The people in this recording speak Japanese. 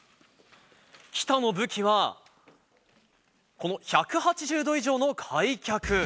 喜田の武器はこの１８０度以上の開脚。